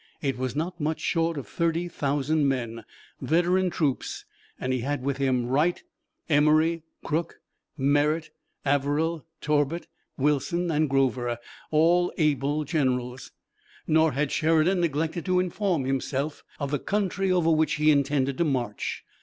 It was not much short of thirty thousand men, veteran troops, and he had with him Wright, Emory, Crook, Merritt, Averill, Torbert, Wilson and Grover, all able generals. Nor had Sheridan neglected to inform himself of the country over which he intended to march.